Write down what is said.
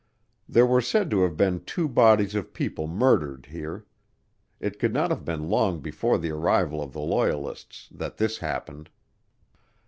There were said to have been two bodies of people murdered here. It could not have been long before the arrival of the Loyalists that this happened.